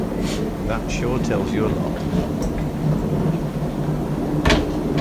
That sure tells you a lot.